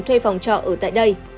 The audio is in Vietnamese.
thuê phòng trọ ở tại đây